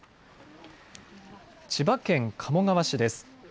千葉県鴨川市です。